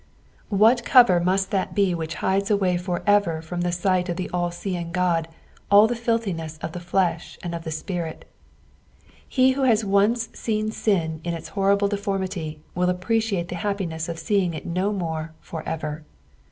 What a cover must that be which hides away for ever from the sight of the all eeeing Ood atl the fllthinesK of the flesh and of the spirit '. He who has once seen sin iu its horrible deformity, will appieciate the happiness of seeing it no more for ever.